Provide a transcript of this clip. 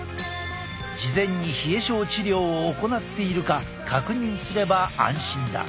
事前に冷え症治療を行っているか確認すれば安心だ。